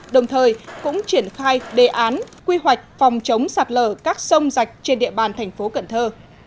đồng thời cũng triển khai đề án quy hoạch phòng chống sạt lở các sông rạch trên địa bàn thành phố cần thơ